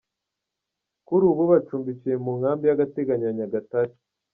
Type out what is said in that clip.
Kuri ubu bacumbikiwe mu Nkambi y’agateganyo ya Nyagatare.